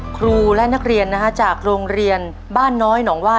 ครูและนักเรียนนะฮะจากโรงเรียนบ้านน้อยหนองว่า